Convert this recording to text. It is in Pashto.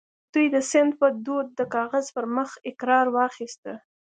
دوی د سند په دود د کاغذ پر مخ اقرار واخيسته